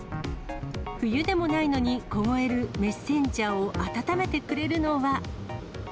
冬でもないのに凍えるメッセンジャーを暖めてくれるのは。